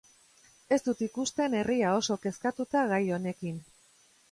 Ez dut ikusten herria oso kezkatuta gai honekin.